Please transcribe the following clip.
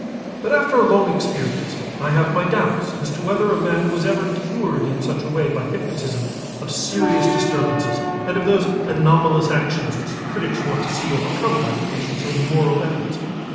But after a long experience, I have my doubts as to whether a man was ever cured in such a way by hypnotism of serious disturbances and of those anomalous actions which the critics want to see overcome by the patient's own moral efforts.